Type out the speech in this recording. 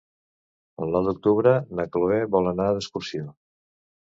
El nou d'octubre na Chloé vol anar d'excursió.